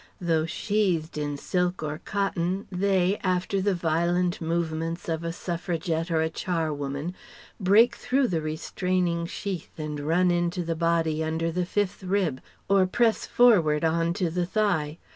Though sheathed in silk or cotton, they, after the violent movements of a Suffragette or a charwoman, break through the restraining sheath and run into the body under the fifth rib, or press forward on to the thigh.